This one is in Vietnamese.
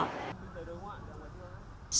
sách sách của việt nam